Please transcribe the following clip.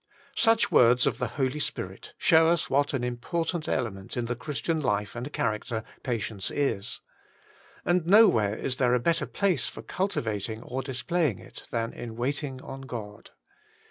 Such words of the Holy Spirit show us what an important element in the Christian life and character patience is. And nowhere is there a better place for cultivating or displaying it than in waiting on God.